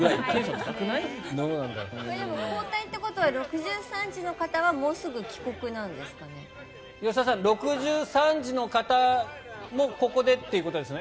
交代ってことは６３次の方は吉田さん、６３次の方もここでということですね。